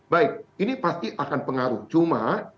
baik ini pasti akan pengaruh cuma